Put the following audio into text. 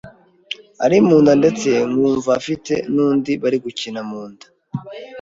ari mu nda ndetse nkumva afite n’undi bari gukina mu nda